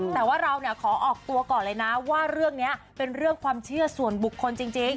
แต่ว่าเราขอออกตัวก่อนเลยนะว่าเรื่องนี้เป็นเรื่องความเชื่อส่วนบุคคลจริง